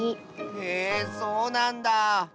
へえそうなんだ。